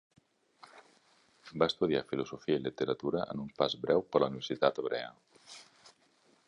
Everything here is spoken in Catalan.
Va estudiar filosofia i literatura en un pas breu per a la Universitat Hebrea.